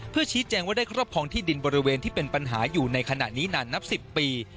เพื่อชี้แจงว่าได้ครอบครองที่ดินบริเวณที่เป็นปัญหาอยู่ในขณะนี้นานนับ๑๐ปี